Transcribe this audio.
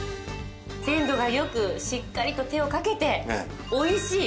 鮮度が良くしっかりと手をかけておいしい。